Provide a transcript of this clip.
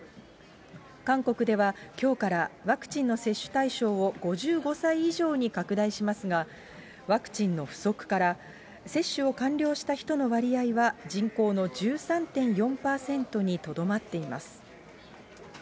韓国では、きょうからワクチンの接種対象を５５歳以上に拡大しますが、ワクチンの不足から接種を完了した人の割合は、人口の１３．４％にとどまっています。